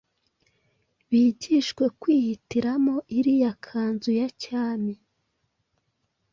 bigishwe kwihitiramo iriya kanzu ya cyami